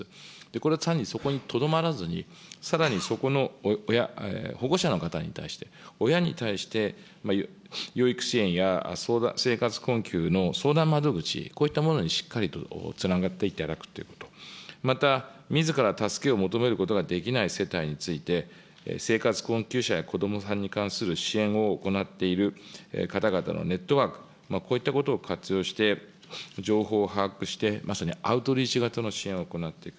これは単にそこにとどまらずに、さらにそこの保護者の方に対して、親に対して、養育支援や生活困窮の相談窓口、こういったものにしっかりとつなげていっていただくということ、また、みずから助けを求めることができない世帯について、生活困窮者やこどもさんに関する支援を行っている方々のネットワーク、こういったことを活用して、情報を把握して、まさにアウトリーチ型の支援を行っていく。